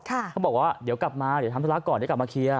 เขาบอกว่าเดี๋ยวกลับมาเดี๋ยวทำธุระก่อนเดี๋ยวกลับมาเคลียร์